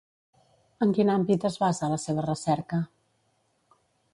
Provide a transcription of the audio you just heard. En quin àmbit es basa la seva recerca?